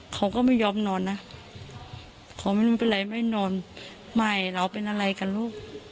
ชอบนอนนะขอไม่เป็นไรไม่นอนไม่เราเป็นอะไรกันลูก